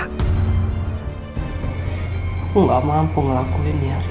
aku gak mampu ngelakuin ya ri